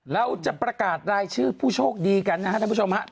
เราจะประกาศรายชื่อผู้โชคดีกันนะครับท่านผู้ชมฮะ